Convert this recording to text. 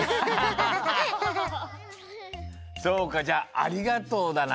そうかじゃあありがとうだな。